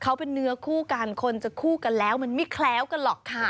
เขาเป็นเนื้อคู่กันคนจะคู่กันแล้วมันไม่แคล้วกันหรอกค่ะ